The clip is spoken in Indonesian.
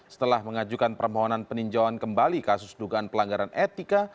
setelah mengajukan permohonan peninjauan kembali kasus dugaan pelanggaran etika